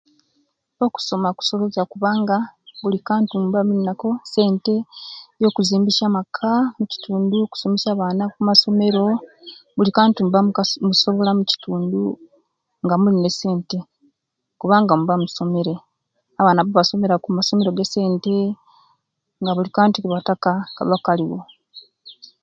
Okusoma kusobosya kubanga kubanga mulunaku esente yokuzimbisya amaka mukitundu, okusomesya abaana kwisomero buli kantu muba musobola mukitundu nga mulina esente kubanga muba musomere abaana baba basomera kumasomero ge sente nga buli kantu kibataka kaba kaliwo